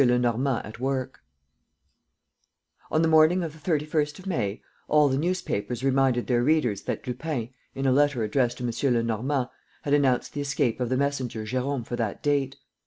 LENORMAND AT WORK On the morning of the 31st of May, all the newspapers reminded their readers that Lupin, in a letter addressed to M. Lenormand, had announced the escape of the messenger Jérôme for that date.